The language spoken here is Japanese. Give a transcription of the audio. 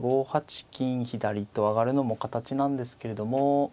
５八金左と上がるのも形なんですけれども。